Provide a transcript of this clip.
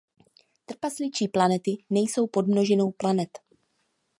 Trpasličí planety nejsou podmnožinou planet.